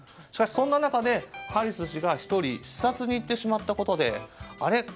しかし、そんな中でハリス氏が１人視察に行ってしまったことであれ？